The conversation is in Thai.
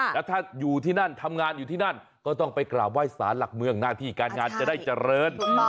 แล้วถ้าอยู่ที่นั่นทำงานอยู่ที่นั่นก็ต้องไปกราบไห้สารหลักเมืองหน้าที่การงานจะได้เจริญ